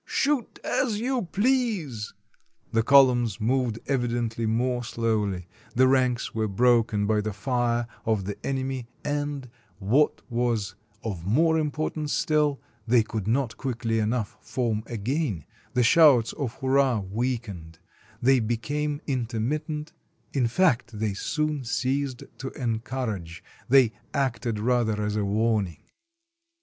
"Shoot as you please!" The columns moved evidently more slowly, the ranks were broken by the fire of the enemy, and, what was of more importance still, they could not quickly enough form again; the shouts of hurrah weakened; they be came intermittent; in fact, they soon ceased to encour age, they acted rather as a warning.